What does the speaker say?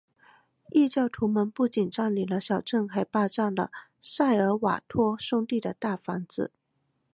异教徒们不仅占领了小镇还霸占了塞尔瓦托兄弟的大房子。